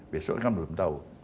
besok kan belum tahu